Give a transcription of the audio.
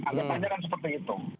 anggapannya kan seperti itu